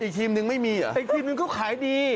อีกทีมนึงไม่มีเหรออีกทีมนึงเขาขายดี